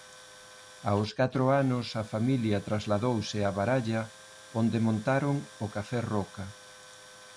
Aos catro anos a familia trasladouse a Baralla onde montaron o café Roca.